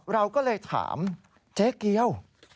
เราก็เลยถามเจ๊เกียว